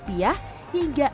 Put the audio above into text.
pertanyaan terakhir adalah